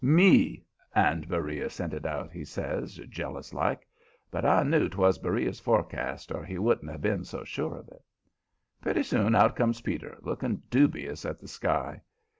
"ME and Beriah sent it out," he says, jealous like. But I knew 'twas Beriah's forecast or he wouldn't have been so sure of it. Pretty soon out comes Peter, looking dubious at the sky.